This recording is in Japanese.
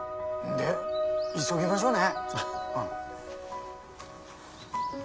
急ぎましょうね。